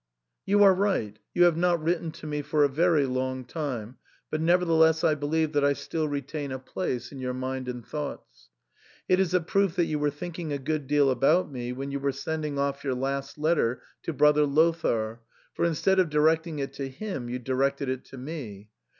You are right, you have not written to me for a very long time, but nevertheless I believe that I still retain a place in your mind and thoughts. It is a proof that you were thinking a good deal about me when you were sending off your last letter to brother Lothair, for instead of directing it to him you directed it to me.